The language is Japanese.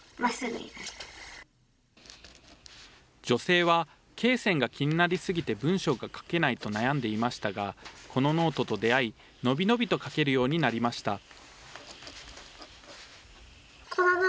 女性はけい線が気になり過ぎて文章が書けないと悩んでいましたが、このノートと出会い、伸び伸びと書けるようになりました。